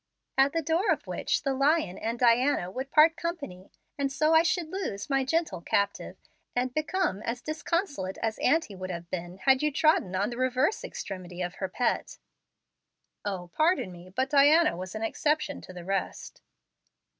"At the door of which the 'lion' and 'Diana' would part company, and so I should lose my gentle 'captive' and become as disconsolate as auntie would have been had you trodden on the reverse extremity of her pet." "O, pardon me, but Diana was an exception to the rest."